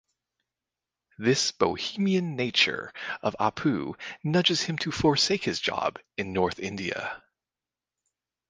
This bohemian nature of Apu nudges him to forsake his job in North India.